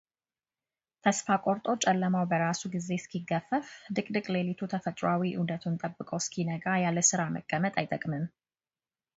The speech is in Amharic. ተስፋ ቆርጦ ጨለማው በራሱ ጊዜ እስኪገፈፍ ድቅድቅ ሌሊቱ ተፈጥሯዊ ዑደቱን ጠብቆ እስኪነጋ ያለስራ መቀመጥ አይጠቅምም።